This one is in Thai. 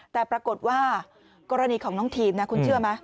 แต่ปรากฏว่ากรณีของน้องทีมนะคุณเชื่อไหม